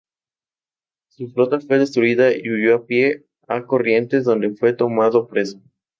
Su flota fue destruida y huyó a pie a Corrientes, donde fue tomado preso.